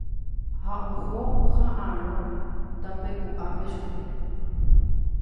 Ha oho oha'ãrõ tapeku'ápe chupe.